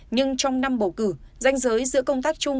nhưng trong năm bầu cử danh giới giữa công tác chung